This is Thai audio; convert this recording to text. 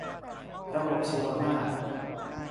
ระบบชีวมาตร